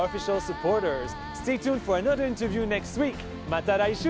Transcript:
また来週！